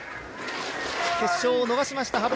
決勝を逃しました